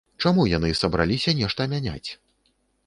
Чаму яны сабраліся нешта мяняць?